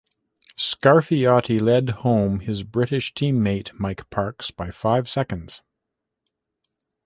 Scarfiotti led home his British team mate Mike Parkes by five seconds.